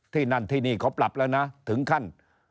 นั่นที่นี่เขาปรับแล้วนะถึงขั้น